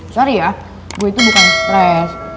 sorry ya gue itu bukan stres